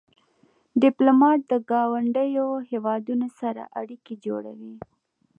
ډيپلومات د ګاونډیو هېوادونو سره اړیکې جوړوي.